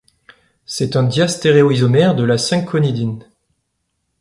C'est un diastéréoisomère de la cinchonidine.